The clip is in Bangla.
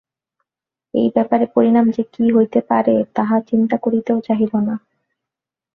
এই ব্যাপারের পরিণাম যে কী হইতে পারে মন তাহা চিন্তা করিতেও চাহিল না।